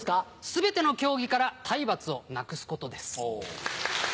全ての競技から体罰をなくすことです。